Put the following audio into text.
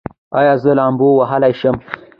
ایا زه لامبو وهلی شم؟